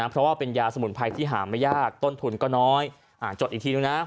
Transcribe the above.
เพราะว่าเป็นยาสมุนไพรที่หาไม่ยากต้นทุนก็น้อยจดอีกทีนึงนะ